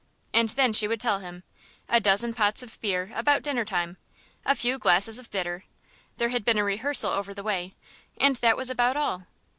And then she would tell him: a dozen pots of beer about dinner time, a few glasses of bitter there had been a rehearsal over the way and that was about all.